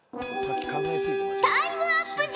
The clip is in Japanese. タイムアップじゃ。